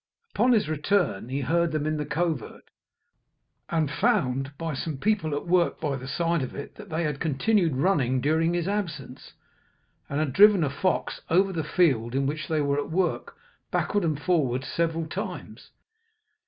Upon his return he heard them in the covert, and found, by some people at work by the side of it, that they had continued running during his absence, and had driven a fox over the field in which they were at work backward and forward several times.